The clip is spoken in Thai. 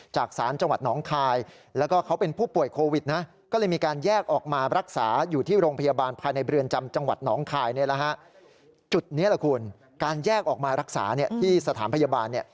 จุดนี้แหละคุณการแยกออกมารักษาที่สถานพยาบาล